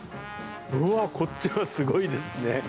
こっちもすごいですね。